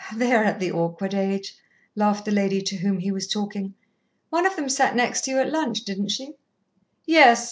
"They are at the awkward age," laughed the lady to whom he was talking. "One of them sat next to you at lunch, didn't she?" "Yes.